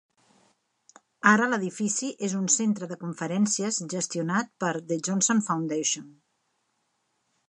Ara l'edifici és un centre de conferències gestionat per The Johnson Foundation.